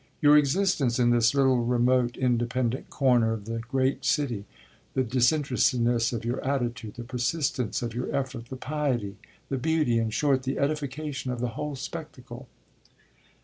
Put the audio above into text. "Your existence in this little, remote, independent corner of the great city. The disinterestedness of your attitude, the persistence of your effort, the piety, the beauty, in short the edification, of the whole spectacle."